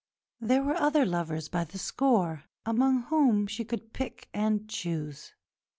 There were other lovers by the score among whom she could pick and choose.